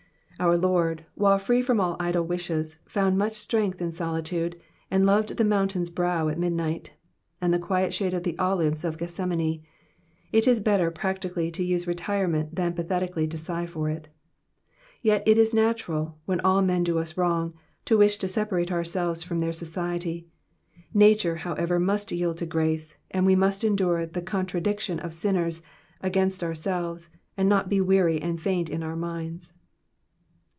Our Lord, while free from all idle wishes, found much strength in solitude, and loved the mountain's brow at midnight, and the quiet shade of the olives of Gethsemane. It is better practically to use retirement than pathetically to sigh for it. Yet it is natural, when all men do us wrong, to wish to separate ourselves from their society ; nature, however, must yield to grace, and we must endure the contradiction of sinners against ourselves, and not be weary and faint in our minds.